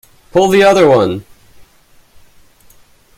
Pull the other one!